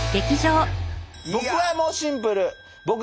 僕はもうシンプル。